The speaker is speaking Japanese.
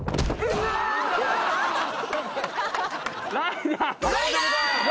ライダー！